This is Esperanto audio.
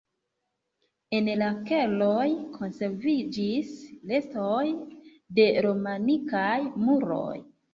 En la keloj konserviĝis restoj de romanikaj muroj.